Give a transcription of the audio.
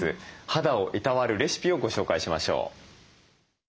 肌をいたわるレシピをご紹介しましょう。